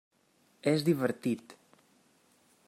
És divertit.